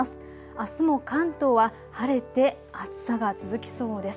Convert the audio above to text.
あすも関東は晴れて暑さが続きそうです。